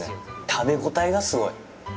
食べ応えがすごい。